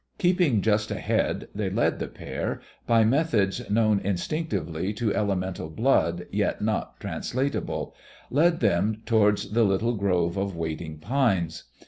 Keeping just ahead, they led the pair, by methods known instinctively to elemental blood yet not translatable led them towards the little grove of waiting pines.